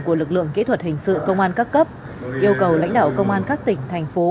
của lực lượng kỹ thuật hình sự công an các cấp yêu cầu lãnh đạo công an các tỉnh thành phố